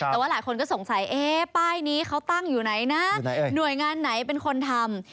แต่ว่าหลายคนก็สงสัยป้ายนี้เขาตั้งอยู่ไหนนะหน่วยงานไหนเป็นคนทำ